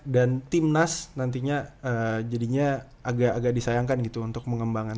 dan tim nas nantinya jadinya agak disayangkan gitu untuk pengembangan